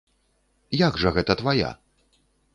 Як жа гэта твая?